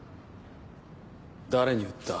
誰に売った？